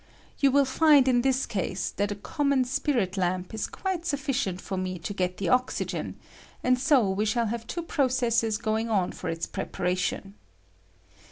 You will find in thia case that a common spirit lamp is quite sufBcient for mo to get the oxygen, and so we shall have two processes going on for its prep aration.